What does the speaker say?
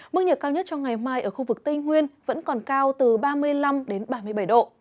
mức nhiệt cao nhất trong ngày mai ở khu vực tây nguyên vẫn còn cao từ ba mươi năm đến ba mươi bảy độ